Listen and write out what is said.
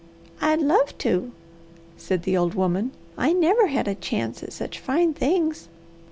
"I'd love to!" said the old woman. "I never had a chance at such fine things.